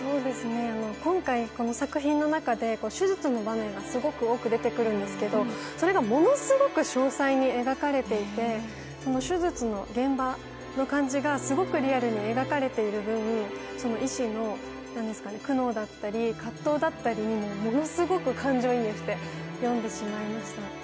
今回、この作品の中で手術の場面がすごく多く出てくるんですけど、それがものすごく詳細に描かれていて、手術の現場の感じがすごくリアルに描かれている分、医師の苦悩だったり葛藤だったりにもものすごく感情移入して読んでしまいました。